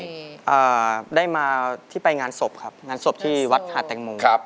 ได้มายังไงได้มาที่ไปงานศพนานศพที่วดหอัตตุแตงมุม